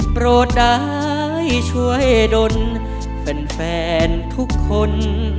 โปรดได้ช่วยดนแฟนทุกคน